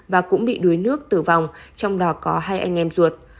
và cũng bị đuối nước tử vong trong đó có hai anh em ruột